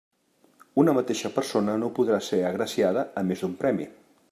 Una mateixa persona no podrà ser agraciada amb més d'un premi.